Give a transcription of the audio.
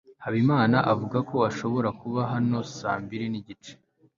habimana avuga ko ashobora kuba hano saa mbiri nigice